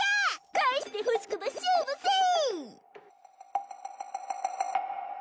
返してほしくば勝負せい。